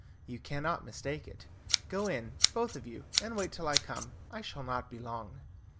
You cannot mistake it. Go in, both of you, and wait till I come. I shall not be long."